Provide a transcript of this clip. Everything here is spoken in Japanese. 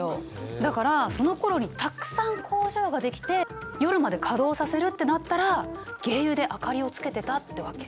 だからそのころにたくさん工場が出来て夜まで稼働させるってなったら鯨油で明かりをつけてたってわけ。